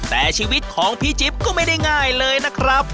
แต่ชีวิตของพี่จิ๊บก็ไม่ได้ง่ายเลยนะครับ